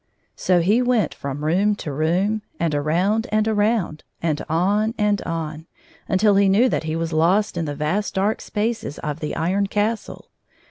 So he went from room to room, and around and around, and on and on, until he knew that he was lost in the vast dark spaces of the Iron Castle.